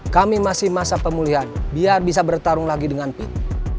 kami masih masa pemulihan biar bisa bertarung lagi dengan pit